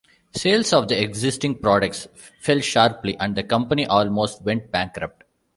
Sales of the existing products fell sharply, and the company almost went bankrupt.